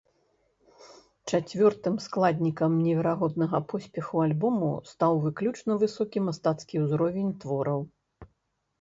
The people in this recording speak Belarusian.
Чацвёртым складнікам неверагоднага поспеху альбому стаў выключна высокі мастацкі ўзровень твораў.